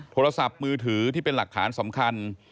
โทรศัพท์มือถือที่เป็นหลักฐานสำคัญ